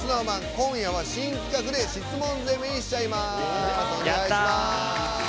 今夜は新企画で質問攻めにしちゃいます。